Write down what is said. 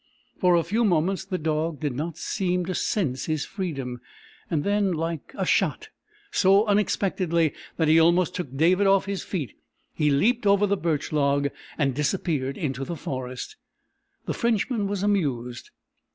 For a few moments the dog did not seem to sense his freedom; then, like a shot so unexpectedly that he almost took David off his feet he leaped over the birch log and disappeared in the forest. The Frenchman was amused.